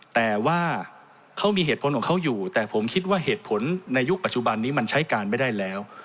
แต่ว่าเขามีเหตุผลของเขาอยู่แต่ผมคิดว่าเหตุผลในยุคปัจจุบันนี้มันใช้การไม่ได้แล้ว